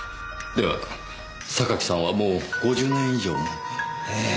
では榊さんはもう５０年以上も？ええ。